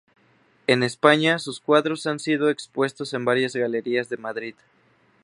En España, sus cuadros han sido expuestos en varias galerías de Madrid.